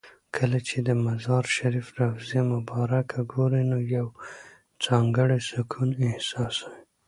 کله چې د مزار شریف روضه مبارکه ګورې نو یو ځانګړی سکون احساسوې.